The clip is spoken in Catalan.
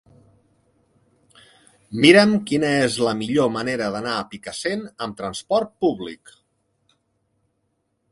Mira'm quina és la millor manera d'anar a Picassent amb transport públic.